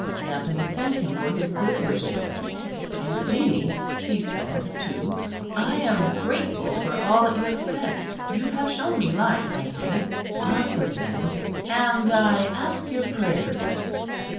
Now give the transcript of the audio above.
Anthony thanked him for his good wishes. "Indeed," he said, too, "I am grateful for all that you have said. You have shown me light, I think, on some things, and I ask your prayers."